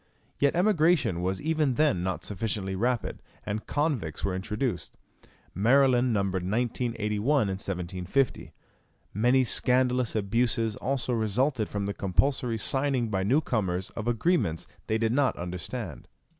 Yet emigration was even then not sufficiently rapid, and convicts were introduced. Maryland numbered 1981 in 1750. Many scandalous abuses also resulted from the compulsory signing by new comers of agreements they did not understand.